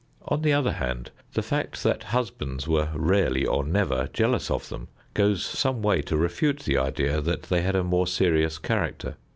On the other hand, the fact that husbands were rarely or never jealous of them, goes some way to refute the idea that they had a more serious character.